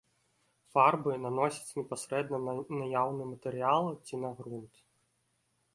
Фарбы наносяць непасрэдна на наяўны матэрыял ці на грунт.